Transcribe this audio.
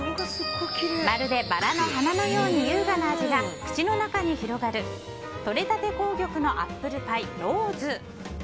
まるでバラの花のように優雅な味が口の中に広がるとれたて紅玉のアップルパイローズ。